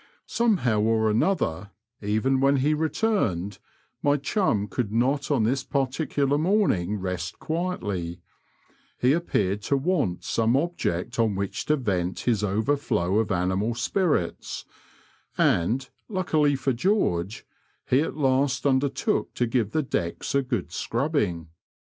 Somehow or another, even when he returned, my chum could not on this particular morning rest quietly ; he ap peared to want some object on which to vent his overflow of animal spirits, and, luckily for George, he at last undertook to give the decks a good scrubbing.